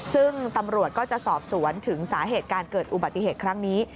ซึ่งตำรวจก็จะสอบสวนถึงสาเหตุการเกิดอุบัติเหตุครั้งนี้